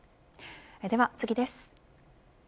では次です。